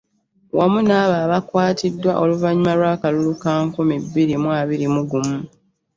Wamu n'abo abaakwatiddwa oluvannyuma lw'akalulu ka nkumi bbiri mu abiri mu gumu